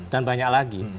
dan banyak lagi